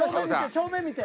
正面見て。